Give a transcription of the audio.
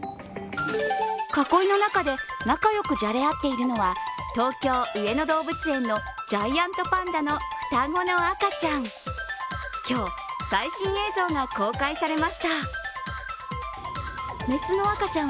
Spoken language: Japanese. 囲いの中で仲良くじゃれ合っているのは東京・上野動物園のジャイアントパンダの双子の赤ちゃん。